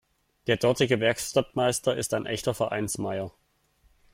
Der dortige Werkstattmeister ist ein echter Vereinsmeier.